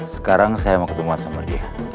sekarang saya mau ketemu sama dia